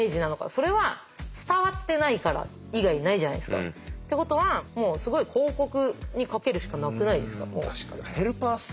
それは伝わってないから以外ないじゃないですか。ってことはもうすごい広告にかけるしかなくないですか？